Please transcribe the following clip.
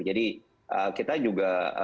jadi kita juga